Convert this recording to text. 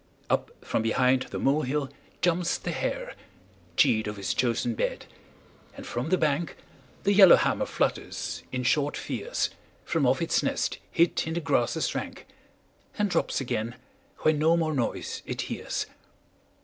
Up from behind the molehill jumps the hare, Cheat of his chosen bed, and from the bank The yellowhammer flutters in short fears From off its nest hid in the grasses rank, And drops again when no more noise it hears.